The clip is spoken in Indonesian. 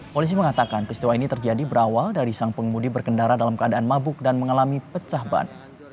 polisi mengatakan peristiwa ini terjadi berawal dari sang pengemudi berkendara dalam keadaan mabuk dan mengalami pecah ban